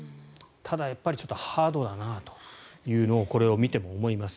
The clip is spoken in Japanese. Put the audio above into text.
ただやっぱりちょっとハードだなというのをこれを見ても思います。